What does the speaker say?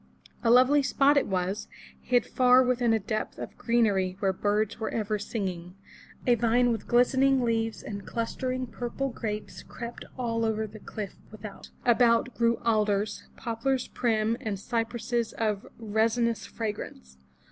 A lovely spot it was, hid far within a depth of greenery where birds were ever singing. A vine with glistening leaves and clustering purple grapes crept over all the cliff without. About grew alders, poplars prim and cypresses of resinous fragrance.